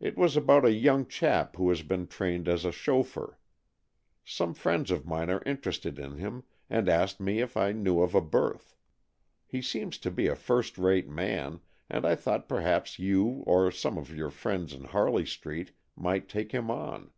It was about a young chap who has been trained as a chauffeur. Some friends of mine are interested in him and asked me if I knew of a berth. He seems to be a first rate man, and I thought perhaps you or some of your friends in Harley Street might take him on.